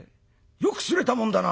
よくすれたもんだな」。